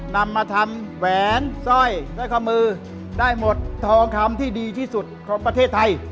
นำมาทำแหวนสร้อยสร้อยข้อมือได้หมดทองคำที่ดีที่สุดของประเทศไทย